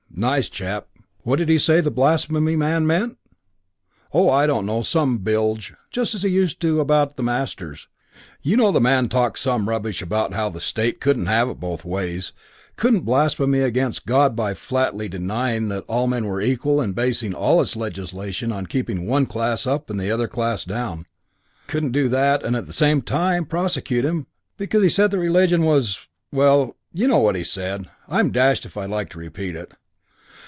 nice chap.... "What did he say the blasphemy man meant? Oh, I don't know; some bilge, just as he used to about the masters. You know the man talked some rubbish about how the State couldn't have it both ways couldn't blaspheme against God by flatly denying that all men were equal and basing all its legislation on keeping one class up and the other class down; couldn't do that and at the same time prosecute him because he said that religion was well, you know what he said; I'm dashed if I like to repeat it.